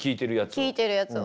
聴いてるやつを。